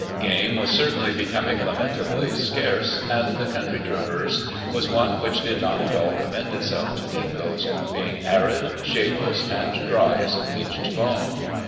Game was certainly becoming lamentably scarce, and the country traversed was one which did not at all commend itself to dingoes, being arid, shadeless, and dry as a bleached bone.